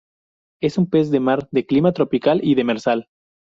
Es un pez de mar de clima tropical y demersal.